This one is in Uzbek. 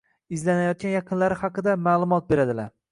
izlanayotgan yaqinlari xaqida ma’lumot beradilar.